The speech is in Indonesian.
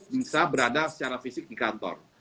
bisa berada secara fisik di kantor